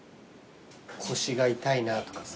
腰が痛いなぁとかさ。